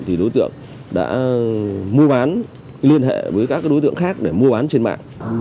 thì đối tượng đã mua bán liên hệ với các đối tượng khác để mua bán trên mạng